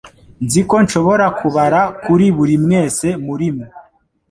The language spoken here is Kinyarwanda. Nzi ko nshobora kubara kuri buri wese muri mwe.